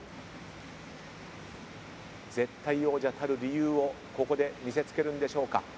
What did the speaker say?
絶対王者たる理由をここで見せつけるんでしょうか。